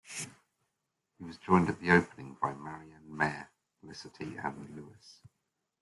He was joined at the opening by Marion Mayor Felicity-ann Lewis.